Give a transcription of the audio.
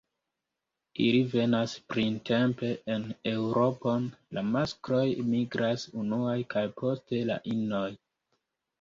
Ili venas printempe en Eŭropon; la maskloj migras unuaj kaj poste la inoj.